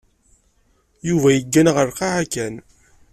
Yuba yeggan ɣer lqaɛa kan.